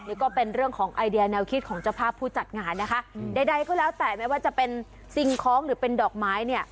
นี่ก็เป็นเรื่องของไอเดียแนวคิดของเจ้าภาพผู้จัดงานนะคะใดใดก็แล้วแต่ไม่ว่าจะเป็นสิ่งของหรือเป็นดอกไม้เนี่ย